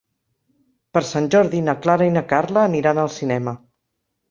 Per Sant Jordi na Clara i na Carla aniran al cinema.